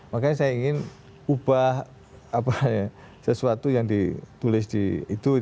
makanya saya ingin ubah sesuatu yang ditulis di itu